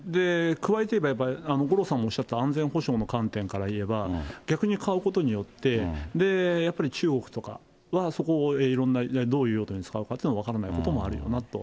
加えて言えば、五郎さんもおっしゃった安全保障の観点からいえば、逆に買うことによって中国とかはそこをいろんな、どういう用途に使うかと分からないこともあるかなと。